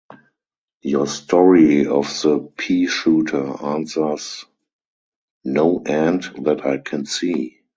Your story of the pea-shooter answers no end that I can see.